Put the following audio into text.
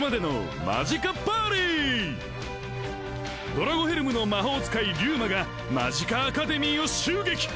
ドラゴヘルムの魔法使いリュウマがマジカアカデミーを襲撃！